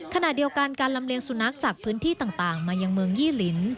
ขณะเดียวกันการลำเลียงสุนัขจากพื้นที่ต่างมายังเมืองยี่ลิ้น